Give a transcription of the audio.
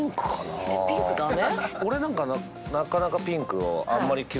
ピンクダメ？